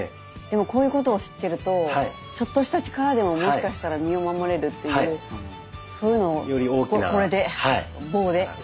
でもこういうことを知ってるとちょっとした力でももしかしたら身を守れるっていうそういうのをこれで棒で。